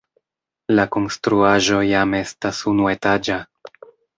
La konstruaĵo jam estas unuetaĝa.